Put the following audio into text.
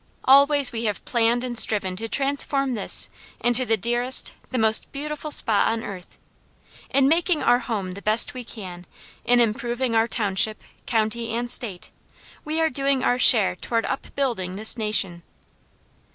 Always we have planned and striven to transform this into the dearest, the most beautiful spot on earth. In making our home the best we can, in improving our township, county, and state, we are doing our share toward upbuilding this nation."